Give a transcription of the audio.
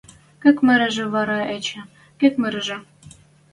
Кек мырыжы вара эче, кек мырыжы?